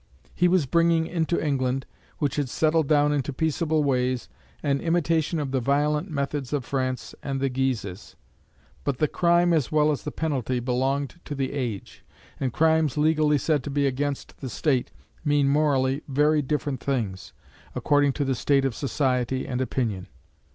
He was bringing into England, which had settled down into peaceable ways, an imitation of the violent methods of France and the Guises. But the crime as well as the penalty belonged to the age, and crimes legally said to be against the State mean morally very different things, according to the state of society and opinion.